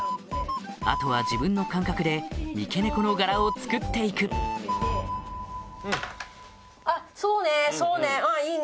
あとは自分の感覚で三毛猫の柄を作っていくそうねそうね！